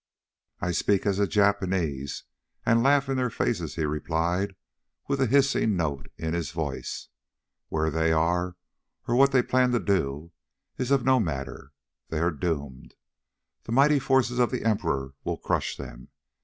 "I speak as a Japanese, and laugh in their faces!" he replied with a hissing note in his voice. "Where they are, or what they plan to do, is of no matter. They are doomed. The mighty forces of the Emperor will crush them.